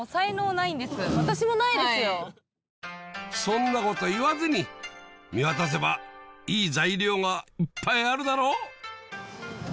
そんなこと言わずに見渡せばいい材料がいっぱいあるだろう？